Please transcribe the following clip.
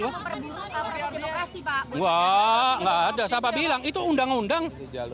nggak ada siapa bilang itu undang undang